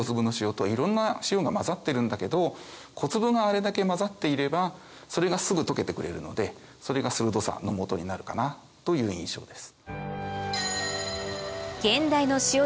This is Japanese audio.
小粒があれだけ混ざっていればそれがすぐ溶けてくれるのでそれが鋭さのもとになるかなという印象です。